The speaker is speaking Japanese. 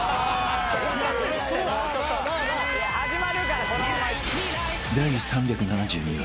始まるからこのまま。